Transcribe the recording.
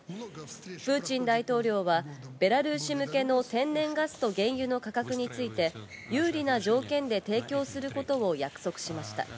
プーチン大統領はベラルーシ向けの天然ガスと原油の価格について有利な条件で提供することを約束しました。